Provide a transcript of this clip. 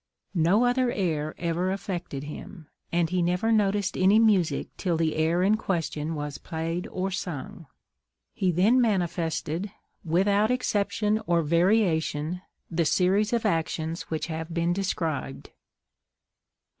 No other air ever affected him, and he never noticed any music till the air in question was played or sung. He then manifested, without exception or variation, the series of actions which have been described.